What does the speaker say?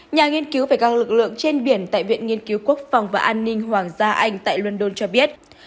nhà nghiên cứu về các lực lượng trên biển tại viện nghiên cứu quốc phòng và an ninh hoàng gia anh tại london cho biết